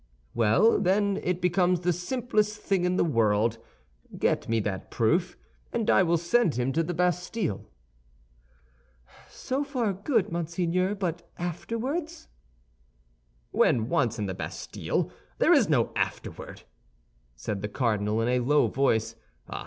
"Well, then, it becomes the simplest thing in the world; get me that proof, and I will send him to the Bastille." "So far good, monseigneur; but afterwards?" "When once in the Bastille, there is no afterward!" said the cardinal, in a low voice.